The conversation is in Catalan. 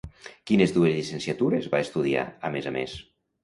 Quines dues llicenciatures va estudiar, a més a més?